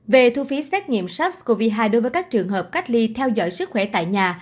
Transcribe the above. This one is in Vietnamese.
về thu phí xét nghiệm sars cov hai đối với các trường hợp cách ly theo dõi sức khỏe tại nhà